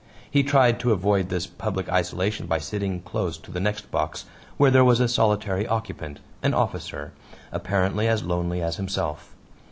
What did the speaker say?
He tried to avoid this public isolation by sitting close to the next box, where there was a solitary occupant an officer apparently as lonely as himself.